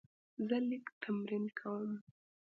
زه لیک تمرین کوم.